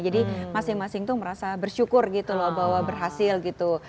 jadi masing masing itu merasa bersyukur gitu loh bahwa berhasil gitu